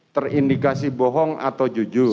terindikasi bohong atau jujur